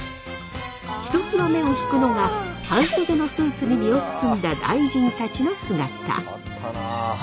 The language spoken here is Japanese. ひときわ目を引くのが半袖のスーツに身を包んだ大臣たちの姿。